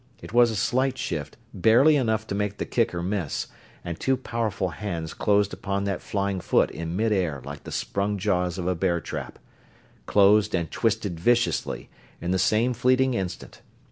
It was a slight shift, barely enough to make the kicker miss, and two powerful hands closed upon that flying foot in midair like the sprung jaws of a bear trap. Closed and twisted viciously, in the same fleeting instant.